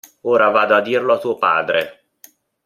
Ora vado a dirlo a tuo padre!